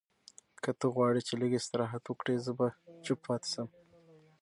که ته غواړې چې لږ استراحت وکړې، زه به چپ پاتې شم.